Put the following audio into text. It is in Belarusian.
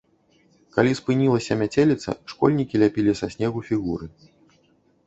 Калі спынілася мяцеліца, школьнікі ляпілі са снегу фігуры.